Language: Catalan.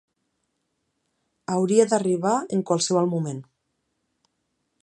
Hauria d'arribar en qualsevol moment.